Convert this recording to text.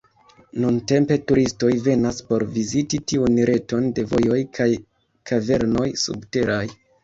Nuntempe turistoj venas por viziti tiun reton de vojoj kaj kavernoj subteraj.